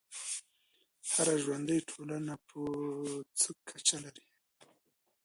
هره ژوندی ټولنه یې په څه کچه لري.